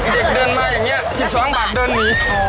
เด็กเดินมาอย่างนี้๑๒บาทเดินหนีคอ